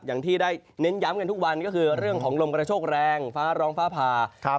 อย่างที่ได้เน้นย้ำกันทุกวันก็คือเรื่องของลมกระโชคแรงฟ้าร้องฟ้าผ่า